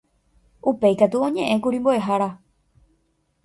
Upéikatu oñe'ẽkuri mbo'ehára.